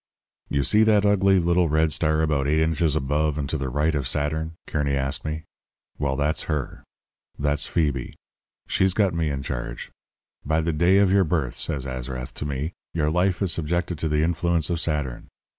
"'You see that ugly little red star about eight inches above and to the right of Saturn?' Kearny asked me. 'Well, that's her. That's Phoebe. She's got me in charge. "By the day of your birth," says Azrath to me, "your life is subjected to the influence of Saturn.